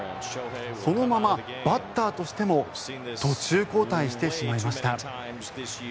そのままバッターとしても途中交代してしまいました。